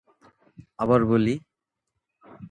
At that point, Yugoslavia had broken away from the Soviets.